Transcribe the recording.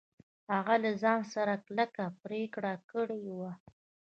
هغه له ځان سره کلکه پرېکړه کړې وه.